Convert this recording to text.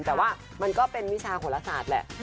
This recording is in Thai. แต่ว่ามันก็เป็นวิชาโหลศาสตร์แหละ